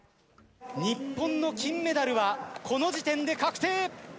日本の金メダルは、この時点で確定。